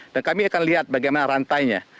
dan kami akan lihat bagaimana rantainya